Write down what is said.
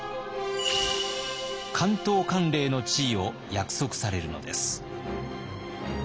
関東管領の地位を約束されるのです。